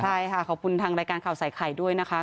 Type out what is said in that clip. ใช่ค่ะขอบคุณทางรายการข่าวใส่ไข่ด้วยนะคะ